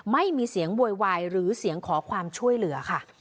ไม่มีเสียงโวยวายหรือเสียงขอความช่วยเหลือค่ะ